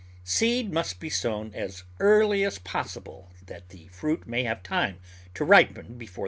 Seed must be sown as early as possible that the fruit may have time to ripen before frost.